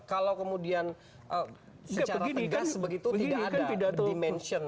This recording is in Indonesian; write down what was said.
kalau kemudian secara tegas begitu tidak ada dimention